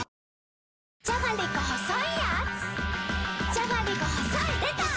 じゃがりこ細いやーつ